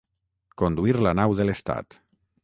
Conduir la nau de l'estat.